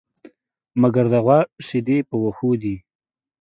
مگر د غوا شيدې په وښو دي.